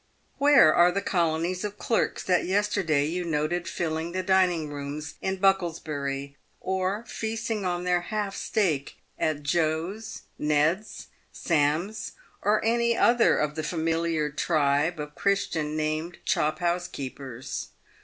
"Where are the colonies of clerks that yesterday you noted filling the dining rooms in Bucklersbury, or feasting on their " half steak" at Joe's, Ned's, Sam's, or any other of the familiar tribe of Christian named chophouse keepers